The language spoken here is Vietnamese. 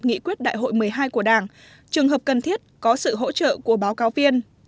nghị quyết đại hội một mươi hai của đảng trường hợp cần thiết có sự hỗ trợ của báo cáo viên